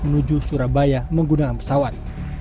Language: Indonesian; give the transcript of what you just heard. menuju surabaya menggunakan pesawat